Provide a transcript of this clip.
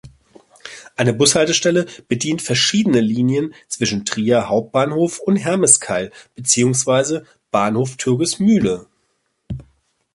Eine Bushaltestelle bedient verschiedene Linien zwischen Trier Hbf und Hermeskeil beziehungsweise Bahnhof Türkismühle.